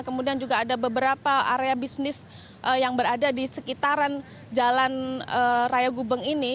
kemudian juga ada beberapa area bisnis yang berada di sekitaran jalan raya gubeng ini